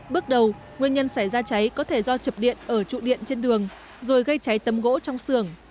bước đầu nguyên nhân xảy ra cháy có thể do chập điện ở trụ điện trên đường rồi gây cháy tấm gỗ trong xưởng